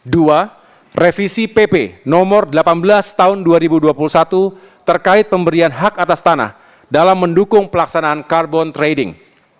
dua revisi pp nomor delapan belas tahun dua ribu dua puluh satu terkait pemberian hak atas tanah dalam mendukung pelaksanaan carbon trading